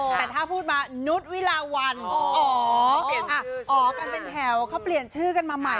แต่ถ้าพูดมานุษย์วิลาวันอ๋ออ๋อกันเป็นแถวเขาเปลี่ยนชื่อกันมาใหม่